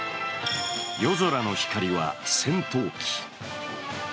夜空の光は戦闘機。